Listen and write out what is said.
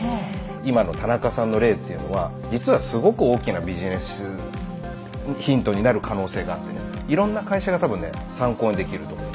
今の田中さんの例というのは実はすごく大きなビジネスヒントになる可能性があってねいろんな会社が多分ね参考にできると思う。